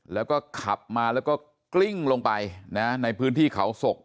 แล้วก็ขับมาแล้วก็กลิ้งลงไปนะในพื้นที่เขาศก